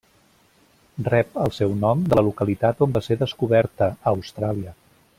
Rep el seu nom de la localitat on va ser descoberta, a Austràlia.